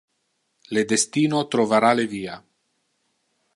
Le destino trovara le via.